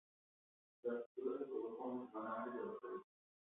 La apertura se produjo una semana antes de lo previsto.